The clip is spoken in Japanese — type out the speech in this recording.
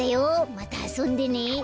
またあそんでね。